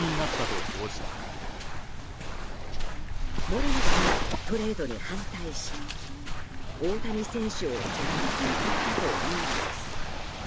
モレノ氏がトレードに反対し大谷選手を手放さなかったというのです。